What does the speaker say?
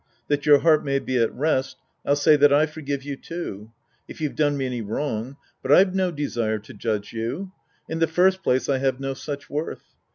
That your heart may be at rest, I'll say that I forgive you, too. If you've done me any wrong. But I've no desire to judge you. In the first place, I have no such worth.